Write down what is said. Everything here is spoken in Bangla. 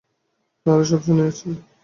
তাঁহারা সব শুনিয়াছেন?